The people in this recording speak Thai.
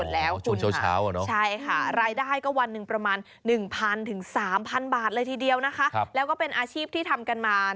แทบอะไรได้ก็วันหนึ่งประมาณ๑พันถึง๓พันบาทเลยทีเดียวนะคะแล้วก็เป็นอาชีพที่ทำกันมา